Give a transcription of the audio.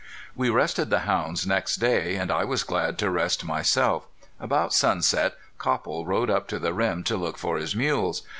We rested the hounds next day, and I was glad to rest myself. About sunset Copple rode up to the rim to look for his mules.